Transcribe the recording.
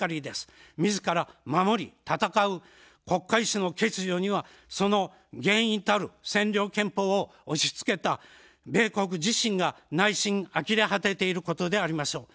みずから守り戦う国家意志の欠如には、その原因たる占領憲法を押しつけた米国自身が内心あきれ果てていることでありましょう。